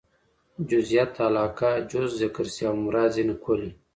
جزئيت علاقه؛ جز ذکر سي او مراد ځني کُل يي.